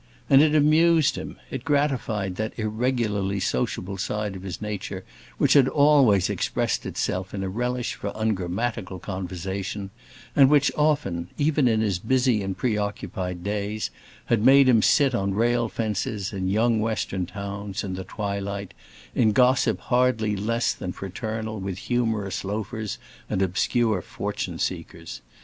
And it amused him; it gratified that irregularly sociable side of his nature which had always expressed itself in a relish for ungrammatical conversation, and which often, even in his busy and preoccupied days, had made him sit on rail fences in young Western towns, in the twilight, in gossip hardly less than fraternal with humorous loafers and obscure fortune seekers.